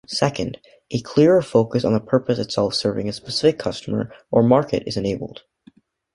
Second, a clearer focus on the purpose itself-serving a specific customer or market-is enabled.